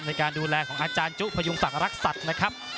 ในการดูแลของอาจารย์จุพยุงศักดิ์รักษัตริย์นะครับ